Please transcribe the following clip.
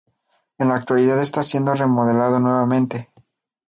En la actualidad está siendo remodelado nuevamente.